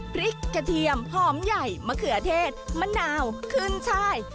กระเทียมหอมใหญ่มะเขือเทศมะนาวขึ้นช่าย